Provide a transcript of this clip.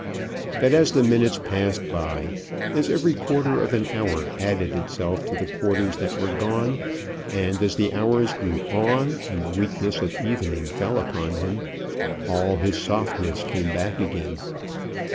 But as the minutes passed by, as every quarter of an hour added itself to the quarters that were gone, and as the hours grew on, and the weakness of evening fell upon him, all his softness came back again.